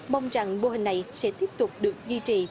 mong rằng mô hình này sẽ tiếp tục được duy trì